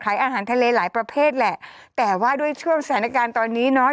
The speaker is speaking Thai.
อาหารทะเลหลายประเภทแหละแต่ว่าด้วยช่วงสถานการณ์ตอนนี้เนาะ